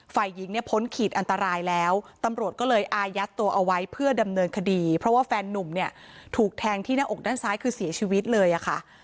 ฝ่ายหญิงเนี่ยพ้นขีดอันตรายแล้วตำรวจก็เลยอายัดตัวเอาไว้เพื่อดำเนินคดีเพราะว่าแฟนนุ่มเนี่ยถูกแทงที่หน้าอกด้านซ้ายคือเสียชีวิตเลยอะค่ะ